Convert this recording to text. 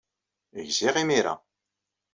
Gziɣ imir-a.